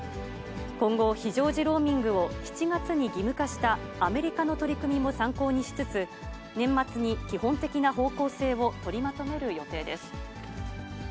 今後、非常時ローミングを７月に義務化したアメリカの取り組みも参考にしつつ、年末に基本的な方向性を取りまとめる予定です。